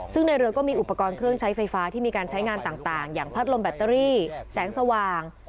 ซึ่งในเรือก็มีอุปกรณ์เครื่องใช้ไฟฟ้าที่มีการใช้งานต่างอย่างพัดลมแบตเตอรี่แสงสว่าง